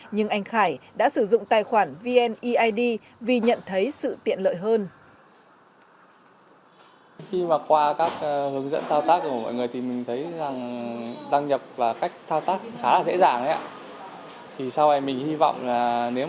nhưng anh khải đã sử dụng tài khoản vneid vì nhận thấy sự tiện lợi hơn